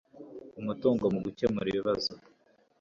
umutungo mu gukemura ibibazo